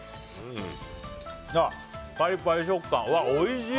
パリパリ食感、おいしい！